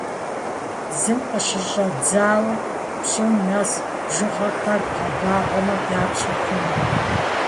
Зым къыщыщӏэдзауэ пщӏым нэс бжыгъэхэр бгъэбагъуэмэ, дапщэ хъуну?